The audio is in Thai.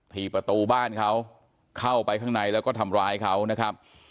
ที่ประตูบ้านเขาเข้าไปข้างในแล้วก็ทำร้ายเขานะครับ